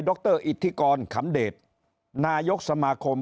รออิทธิกรขำเดชนายกสมาคม